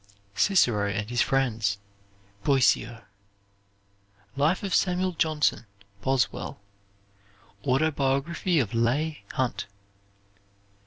"Cicero and His Friends," Boissier. "Life of Samuel Johnson," Boswell. Autobiography of Leigh Hunt.